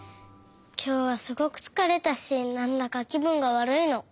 きょうはすごくつかれたしなんだかきぶんがわるいの。